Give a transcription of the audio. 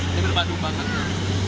ini berpadu banget